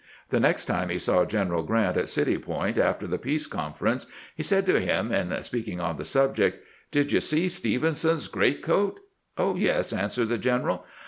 The next time he saw Greneral Grant at City Point, after the " Peace Conference," he said to him, in speaking on the subject, "Did you see Stephens's greatcoat?" "Oh, yes," answered the general.